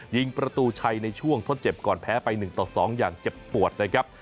ยิงประตูชัยในช่วงทดเจ็บก่อนแพ้ไป๑ต่อ๒อย่างเจ็บปวดนะครับ